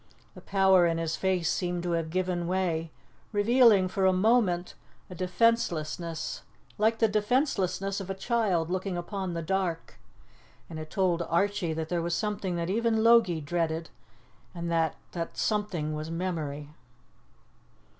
The power in his face seemed to have given way, revealing, for a moment, a defencelessness like the defencelessness of a child looking upon the dark; and it told Archie that there was something that even Logie dreaded and that that something was memory.